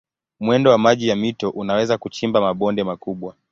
Mwendo wa maji ya mito unaweza kuchimba mabonde makubwa.